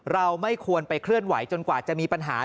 เราไม่ควรไปเคลื่อนไหวจนกว่าจะมีปัญหา